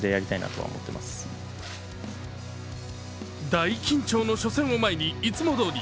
大緊張の初戦を前にいつもどおり。